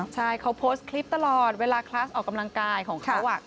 ใช่เขาโพสต์คลิปตลอดเวลาคลาสออกกำลังกายของเขา